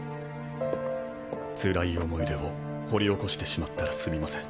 つらい思い出を掘り起こしてしまったらすみません。